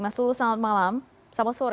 mas tulus selamat malam selamat sore